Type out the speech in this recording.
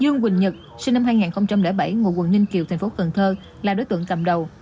sinh năm hai nghìn bảy ngụ quận ninh kiều tp cn là đối tượng cầm đầu